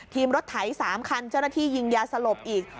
รถไถ๓คันเจ้าหน้าที่ยิงยาสลบอีก